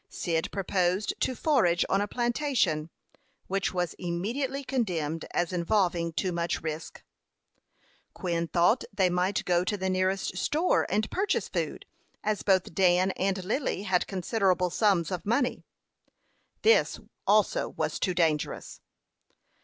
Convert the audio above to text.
Cyd proposed to forage on a plantation, which was immediately condemned as involving too much risk. Quin thought they might go to the nearest store and purchase food, as both Dan and Lily had considerable sums of money. This also was too dangerous.